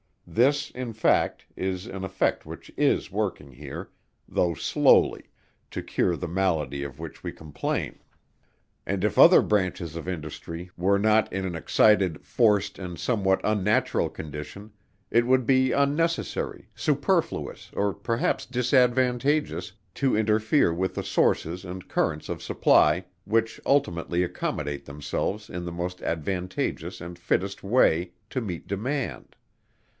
This, in fact, is an effect which is working here, though slowly, to cure the malady of which we complain; and if other branches of industry were not in an excited, forced, and somewhat unnatural condition, it would be unnecessary, superfluous, or perhaps disadvantageous, to interfere with the sources and currents of supply, which ultimately accommodate themselves in the most advantageous and fittest way, to meet demand.